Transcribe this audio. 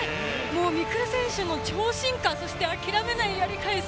未来選手の超進化そして諦めずやり返す